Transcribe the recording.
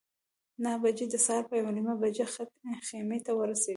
نهه بجې د سهار په یوه نیمه بجه خیمې ته ورسېدو.